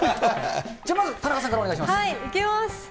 じゃあまず、田中さんからお願いします。